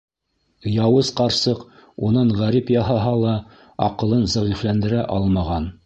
Яуыз ҡарсыҡ унан ғәрип яһаһа ла, аҡылын зәғифләндерә алмаған.